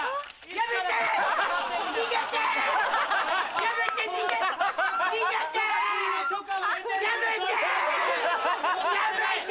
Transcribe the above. やめて！